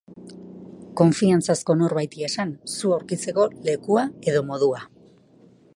Konfiantzazko norbaiti esan zu aurkitzeko lekua edo modua.